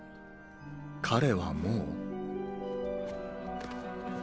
彼はもう？